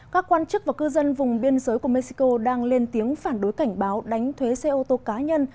các quan chức và cư dân vùng biên giới của mexico đang lên tiếng phản đối cảnh báo đánh thuế xe ô tô cá nhân